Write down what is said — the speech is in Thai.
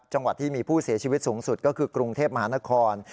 จังหวัดที่มีผู้เสียชีวิตสูงสุดก็คือกรุงเทพมหานคร